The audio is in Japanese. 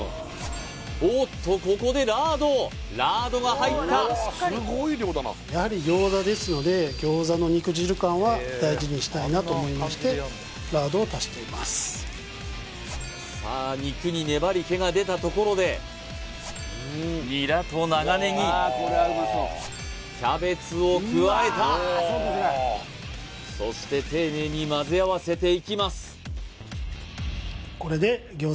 おーっとここでラードラードが入ったやはり餃子ですので餃子の肉汁感は大事にしたいなと思いましてラードを足していますさあ肉に粘りけが出たところでニラと長ネギキャベツを加えたそして丁寧にまぜ合わせていきます